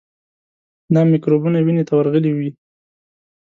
دا میکروبونه وینې ته ورغلي وي.